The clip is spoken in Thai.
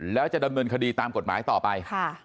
แล้วจะดำเนินคดีตามกฎหมายต่อไป